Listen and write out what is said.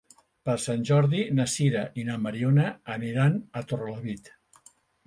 Per Sant Jordi na Sira i na Mariona aniran a Torrelavit.